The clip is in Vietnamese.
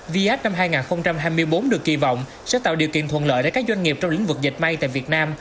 vx năm hai nghìn hai mươi bốn được kỳ vọng sẽ tạo điều kiện thuận lợi để các doanh nghiệp trong lĩnh vực dệt may tại việt nam